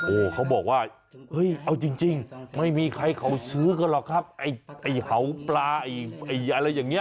โอ้โหเขาบอกว่าเฮ้ยเอาจริงไม่มีใครเขาซื้อกันหรอกครับไอ้เห่าปลาไอ้อะไรอย่างนี้